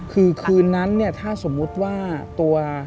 คือคืนนั้นเนี่ยถ้าสมมุติว่าตัว